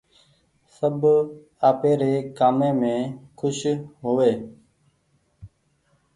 سب آپيري ڪآمي مين کوش هووي۔